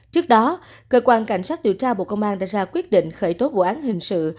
trước đó cơ quan cảnh sát điều tra bộ công an đã ra quyết định khởi tố vụ án hình sự